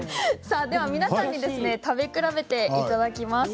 皆さんに食べ比べていただきます。